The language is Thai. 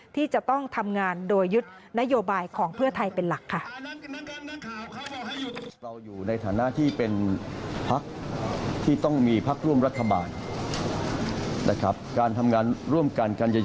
ที่จะต้องทำงานโดยยึดนโยบายของเพื่อไทยเป็นหลักค่ะ